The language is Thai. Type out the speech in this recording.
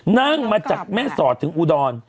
นั่งมาจากแม่สอดถึงอุดร